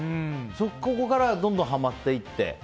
そこからどんどんはまっていって。